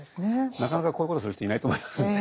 なかなかこういうことをする人いないと思いますんで。